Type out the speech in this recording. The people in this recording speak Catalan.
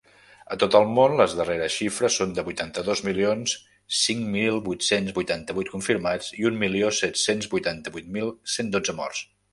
A tot el món, les darreres xifres són de vuitanta-dos milions cinc mil vuit-cents vuitanta-vuit confirmats i un milió set-cents vuitanta-vuit mil cent dotze morts.